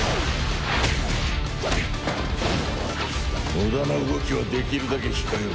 無駄な動きはできるだけ控えろ。